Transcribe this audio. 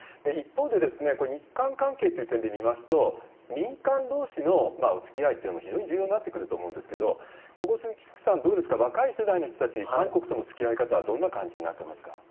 一方で、これ、日韓関係という点で見ますと、民間どうしのおつきあいっていうのが非常に重要になってくると思うんですけれども、ここ、鈴木福さん、若い世代の人たち、韓国とのつきあい方はどんな感じになってますか？